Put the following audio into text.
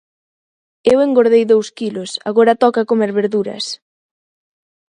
Eu engordei dous quilos, agora toca comer verduras...